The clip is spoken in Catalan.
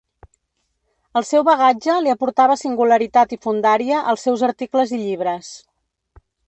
El seu bagatge li aportava singularitat i fondària als seus articles i llibres.